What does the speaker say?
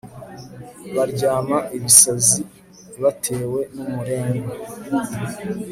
baryama ibisazi batewe n'umurengwe